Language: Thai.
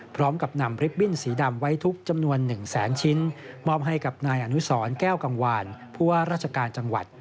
พร้อมกับนำริบบิ้นสีดำไว้ทุกจำนวน๑แสนชิ้นมอบให้กับนายอนุสรแก้วกังวานผู้ว่าราชการจังหวัด